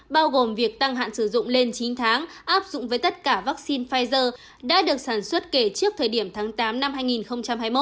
bao gồm việc tăng hạn sử dụng lên chín tháng áp dụng với tất cả vaccine pfizer đã được sản xuất kể trước thời điểm tháng tám năm hai nghìn hai mươi một